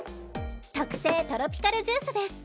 特製トロピカルジュースです。